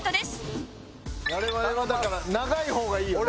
我々はだから長い方がいいよね。